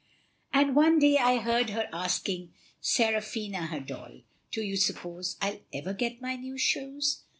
"And one day I heard her asking Seraphina her doll, 'Do you suppose I'll ever get my new shoes?